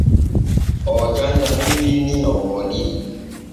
Oo janŋa nun binni no wooɗiri.